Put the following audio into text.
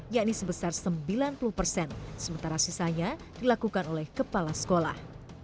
yakni sebesar sembilan puluh persen sementara sisanya dilakukan oleh kepala sekolah